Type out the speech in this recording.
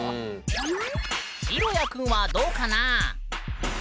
ひろやくんはどうかなぁ？